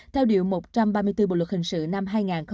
theo điều một trăm ba mươi bốn bộ luật hình sự năm hai nghìn một mươi năm